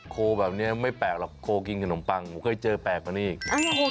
โคแบบนี้ไม่แปลกหรอกโคกินขนมปังผมเคยเจอแปลกกว่านี้อีก